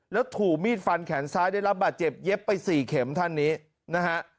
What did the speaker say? แล้วถูกมีดฟันแขนซ้ายได้รับบาดเจ็บเย็บไปสี่เข็มท่านนี้นะฮะ